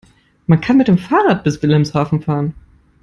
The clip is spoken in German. Man kann mit dem Fahrrad bis Wilhelmshaven fahren